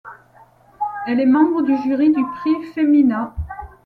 Elle est membre du Jury du prix Femina.